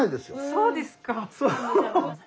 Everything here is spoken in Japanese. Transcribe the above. そうですか。